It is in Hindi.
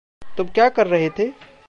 तुम क्या कर रहे थे?